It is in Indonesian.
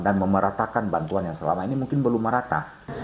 dan bantuan yang selama ini mungkin belum merata